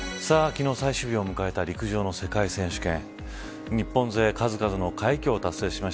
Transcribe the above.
昨日最終日を迎えた陸上の世界選手権。